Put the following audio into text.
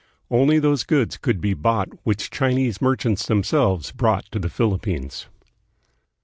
Only those goods could be bought which Chinese merchants themselves brought to the Philippines.